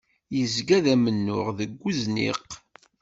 Yezga d amennuɣ deg uzniq.